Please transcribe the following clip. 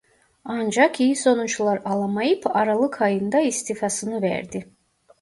Ancak iyi sonuçlar alamayıp Aralık ayında istifasını verdi.